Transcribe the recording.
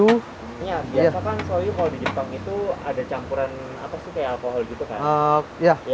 iya biasa kan soyu kalau di jepang itu ada campuran apa sih kayak alkohol gitu kan